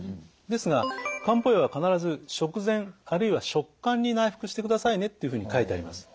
ですが漢方薬は必ず食前あるいは食間に内服してくださいねっていうふうに書いてあります。